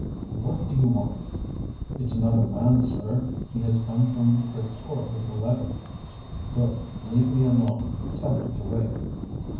"What do you want?" "It's another man, sir; he has come from Crévecoeur with a letter." "Good! Leave me alone; tell him to wait."